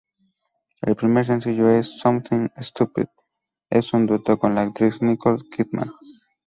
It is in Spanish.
El primer sencillo es "Somethin' Stupid", un dueto con la actriz Nicole Kidman.